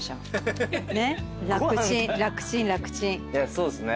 そうですね